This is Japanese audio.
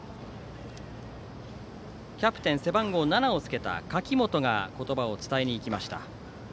キャプテン、背番号７をつけた柿本が言葉を伝えにいきました。